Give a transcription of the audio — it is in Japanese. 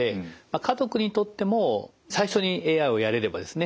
家族にとっても最初にＡＩをやれればですね